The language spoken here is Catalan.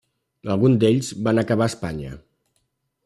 Alguns d'ells van acabar a Espanya.